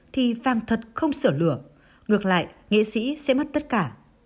thì vàng thật không sửa lửa ngược lại nghệ sĩ sẽ mất tất cả